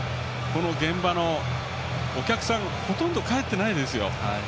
現場のお客さんもほとんど帰ってないですよ。